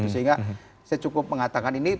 sehingga saya cukup mengatakan ini